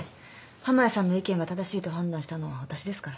浜谷さんの意見が正しいと判断したのは私ですから。